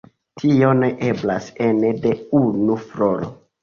Tio ne eblas ene de unu floro.